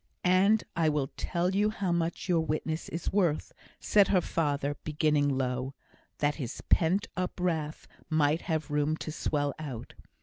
"And I will tell you how much your witness is worth," said her father, beginning low, that his pent up wrath might have room to swell out.